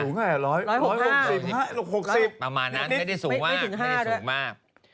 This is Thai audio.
สูงไงหรอ๑๖๕บาท๑๖๕บาทประมาณนั้นไม่ได้สูงมาก